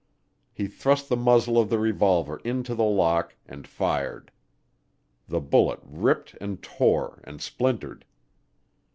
He thrust the muzzle of the revolver into the lock and fired. The bullet ripped and tore and splintered.